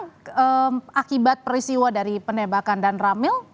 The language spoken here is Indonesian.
apa yang akan terjadi dengan akibat perisiwa dari penebakan dan ramil